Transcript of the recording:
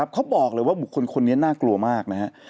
เขาบอกเลยว่าบุคคลคนนี้น่ากลัวมากนะครับ